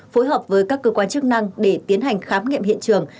phối hợp với các cơ quan chức năng để tiến hành khám nghiệm hiện trường